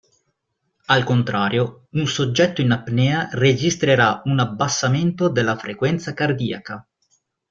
Al contrario un soggetto in apnea registrerà un abbassamento della frequenza cardiaca.